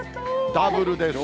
ダブルです。